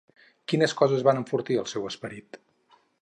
Quines coses van enfortir el seu esperit?